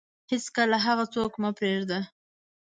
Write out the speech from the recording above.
هیڅکله هغه څوک مه پرېږده